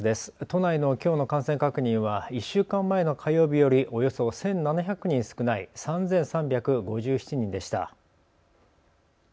都内のきょうの感染確認は１週間前の火曜日よりおよそ１７００人少ない３３５７人でした。